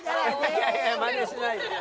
いやいやマネしないで。